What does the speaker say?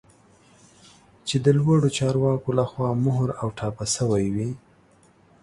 چې د لوړو چارواکو لخوا مهر او ټاپه شوی وي